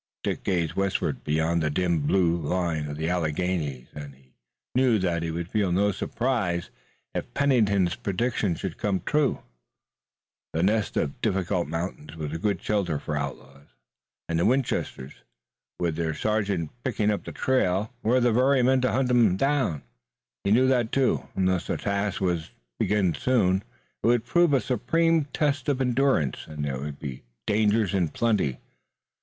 Dick gazed westward beyond the dim blue line of the Alleghanies, and he knew that he would feel no surprise if Pennington's prediction should come true. The nest of difficult mountains was a good shelter for outlaws, and the Winchesters, with the sergeant picking up the trail, were the very men to hunt them. He knew too that, unless the task was begun soon, it would prove a supreme test of endurance, and there would be dangers in plenty.